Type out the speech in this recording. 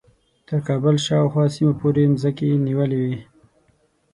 تر کابل شاوخوا سیمو پورې مځکې نیولې وې.